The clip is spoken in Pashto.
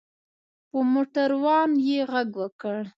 په موټر وان یې غږ وکړ.